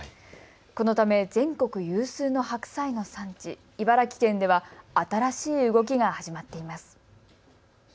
このため全国有数の白菜の産地、茨城県では新しい動きが始まっています。